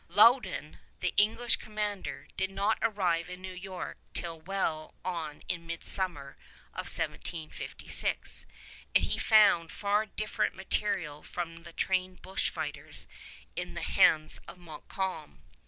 Loudon, the English commander, did not arrive in New York till well on in midsummer of 1756, and he found far different material from the trained bushfighters in the hands of Montcalm.